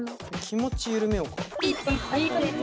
気持ち緩めようか。